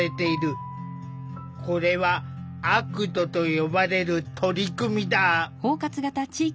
これはＡＣＴと呼ばれる取り組みだ。